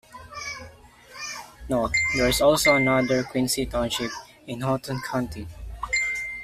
Note: there is also another Quincy Township in Houghton County.